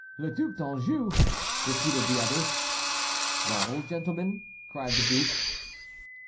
"The Duc d'Anjou!" repeated the others. "Well, gentlemen," cried the duke.